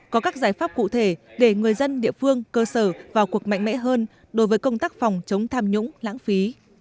có các giải pháp cụ thể để người dân địa phương cơ sở vào cuộc mạnh mẽ hơn đối với công tác phòng chống tham nhũng lãng phí